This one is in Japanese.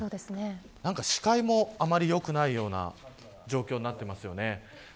視界もあまり良くないような状況になっています。